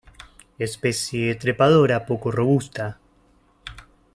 Especie trepadora poco robusta.